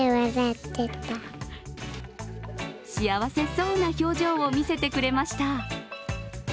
幸せそうな表情を見せてくれました。